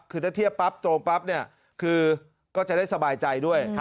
คือถ้าเทียบปั๊บตรงปั๊บเนี่ยคือก็จะได้สบายใจด้วย